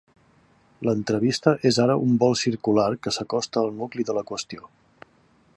L'entrevista és ara un vol circular que s'acosta al nucli de la qüestió.